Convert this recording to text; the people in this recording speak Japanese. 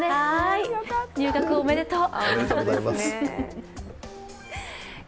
入学おめでとう。